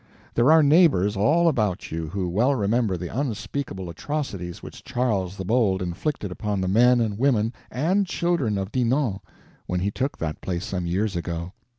There are neighbors all about you who well remember the unspeakable atrocities which Charles the Bold inflicted upon the men and women and children of Dinant when he took that place some years ago.